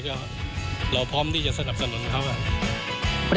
เราก็พร้อมที่จะสนับสนุนเขากัน